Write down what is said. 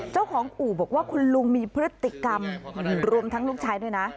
เจ้าของอู่บอกว่าคุณลุงมีพฤติกรรมรวมทั้งลูกชายด้วยนะ